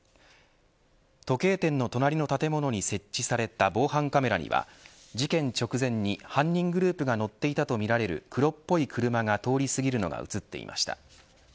時計店の隣の建物に設置された防犯カメラには事件直前に、犯人グループが乗っていたとみられる黒っぽい車が通り過ぎるのが映っていました。